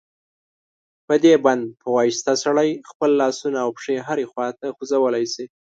په دې بند په واسطه سړی خپل لاسونه او پښې هرې خواته خوځولای شي.